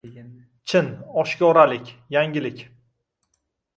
— Chin, oshkoralik — yangilik.